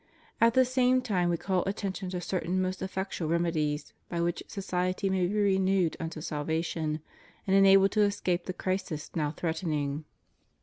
At the same time We call attention to certain most effectual remedies, by which society maj' be renewed unto salvation and enabled to escape the crisis now threatening.